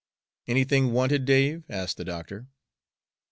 "Anything wanted, Dave?" asked the doctor.